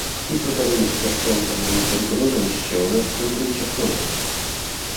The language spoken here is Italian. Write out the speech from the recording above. I protagonisti affrontano una pericolosa missione contro i giapponesi.